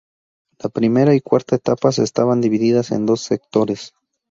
La primera y cuarta etapas estaban divididas en dos sectores.